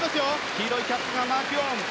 黄色いキャップがマキュオン。